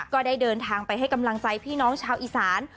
ก็ได้เดินทางไปให้กำลังใจพี่น้องชาวอีสาน